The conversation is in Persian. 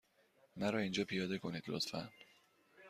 مرا اینجا پیاده کنید، لطفا.